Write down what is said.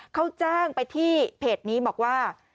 เขาแจ้งไปที่เพจนี้บอกว่า